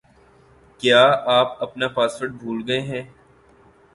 کیا آپ اپنا پاسورڈ بھول گئے ہیں